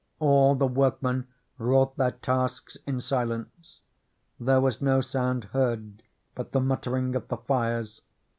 All the workmen wrought their tasks in silence ; there was no sound heard but the muttering of the fires.